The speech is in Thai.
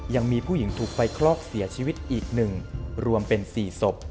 ยังมีผู้หญิงถูกไฟคลอกเสียชีวิตอีก๑รวมเป็น๔ศพ